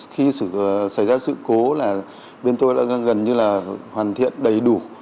khi xảy ra sự cố là bên tôi gần như hoàn thiện đầy đủ